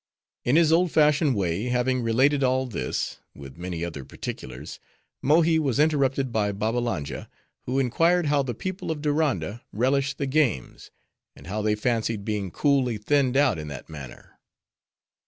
In his old fashioned way, having related all this, with many other particulars, Mohi was interrupted by Babbalanja, who inquired how the people of Diranda relished the games, and how they fancied being coolly thinned out in that manner.